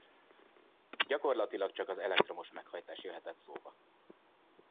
Gyakorlatilag csak az elektromos meghajtás jöhetett szóba.